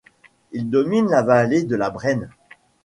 Il domine la vallée de la Brenne.